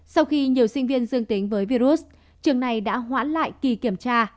sau khi nhiều sinh viên dương tính với virus trường này đã hoãn lại kỳ kiểm tra